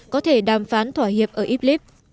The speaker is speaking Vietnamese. có thể đàm phán thỏa hiệp ở idlib